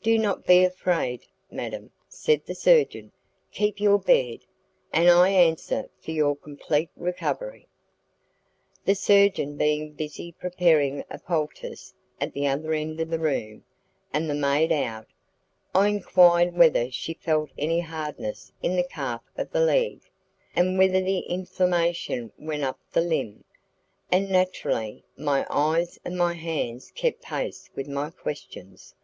"Do not be afraid, madam," said the surgeon, "keep your bed, and I answer for your complete recovery." The surgeon being busy preparing a poultice at the other end of the room, and the maid out, I enquired whether she felt any hardness in the calf of the leg, and whether the inflammation went up the limb; and naturally, my eyes and my hands kept pace with my questions....